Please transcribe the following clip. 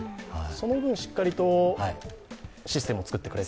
その分、しっかりとシステムを作ってくれと。